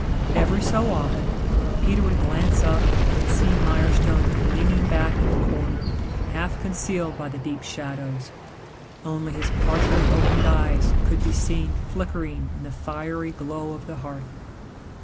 Every so often Peter would glance up and see Mirestone leaning back in the corner half concealed by the deep shadows only his partially opened eyes could be seen flickering in the fiery glow of the hearth.